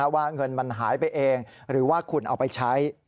ว่าเงินมันหายไปเองหรือว่าคุณเอาไปใช้